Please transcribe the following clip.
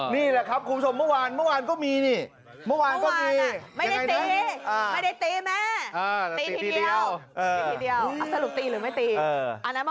นี่แหละครับ